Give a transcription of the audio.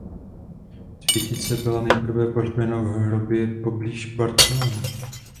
Světice byla nejprve pohřbena v hrobě poblíž Barcelony.